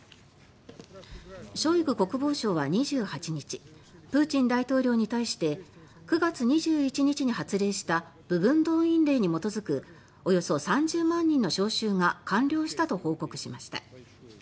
ショイグ国防相は２８日プーチン大統領に対して９月２１日に発令した部分動員令に基づくおよそ３０万人の招集が完了したと報告しました。